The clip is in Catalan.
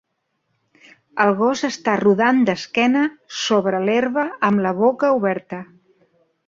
El gos està rodant d'esquena sobre l'herba amb la boca oberta.